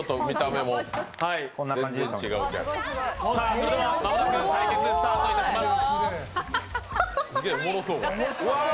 それでは間もなく対決スタートいたします。